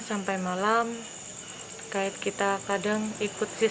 tetapi vocalnya tidak bisa dibuat tanpa perhatian